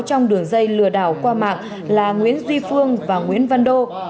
trong đường dây lừa đảo qua mạng là nguyễn duy phương và nguyễn văn đô